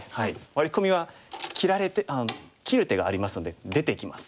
ワリコミは切られてああ切る手がありますので出てきます。